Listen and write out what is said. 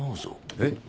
えっ